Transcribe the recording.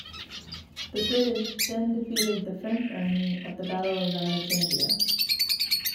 The British then defeated the French army at the Battle of Alexandria.